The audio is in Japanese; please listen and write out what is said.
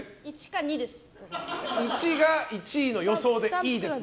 １が１位の予想でいいですね。